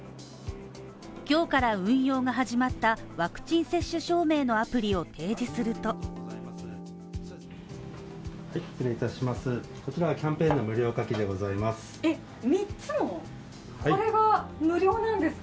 今日から運用が始まったワクチン接種証明のアプリを提示すると三つも、これが無料なんですか。